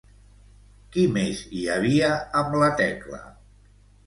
Qui més hi havia amb la Tecla?